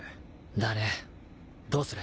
だねどうする？